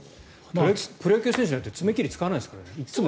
プロ野球選手なんて爪切り使わないですからね。